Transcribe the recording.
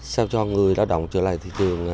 sao cho người lao động trở lại thị trường